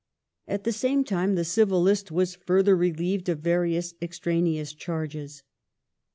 At the same time the Civil List was further relieved of various ex traneous charges.